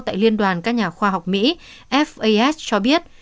tại liên đoàn các nhà khoa học mỹ fas cho biết